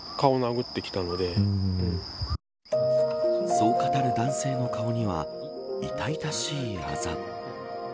そう語る男性の顔には痛々しいあざ。